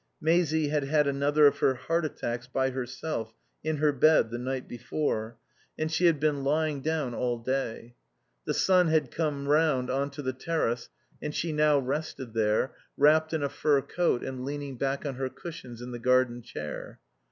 Maisie had had another of her heart attacks, by herself, in her bed, the night before; and she had been lying down all day. The sun had come round on to the terrace, and she now rested there, wrapped in a fur coat and leaning back on her cushions in the garden chair.